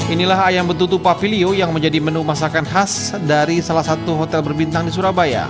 inilah ayam betutu papilio yang menjadi menu masakan khas dari salah satu hotel berbintang di surabaya